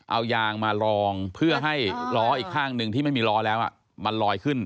เอายางมาลองเพื่อให้ล้ออีกข้างหนึ่งที่ไม่มีล้อแล้วมันลอยขึ้น